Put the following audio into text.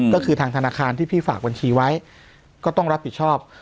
ก็คือทางธนาคารที่พี่ฝากบัญชีไว้ก็ต้องรับผิดชอบ